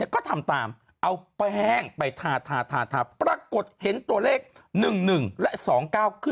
ก็ใช่ไงเขาถูกใช่ไหมเธอ